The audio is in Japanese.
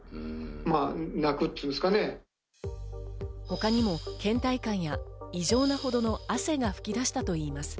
他にも倦怠感や異常なほどの汗が噴き出したといいます。